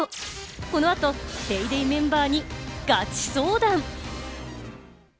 この後『ＤａｙＤａｙ．』メンバーにガチ相談。